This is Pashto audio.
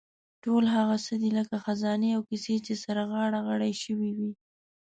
ټول هغه څه دي لکه خزانې او کیسې چې سره غاړه غړۍ شوې وي.